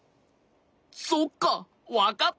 そっかわかった！